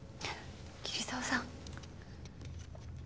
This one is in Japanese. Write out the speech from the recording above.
桐沢さん。